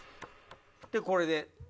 でこれで。